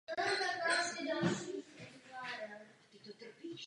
Všímá si krásy Měsíce pod "světlem Země".